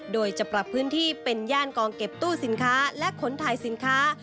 โดยจะปรับพื้นที่เป็นย่านกองเก็บตู้สินค้าและขนถ่ายสินค้า